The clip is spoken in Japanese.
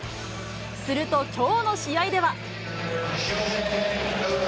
するときょうの試合では。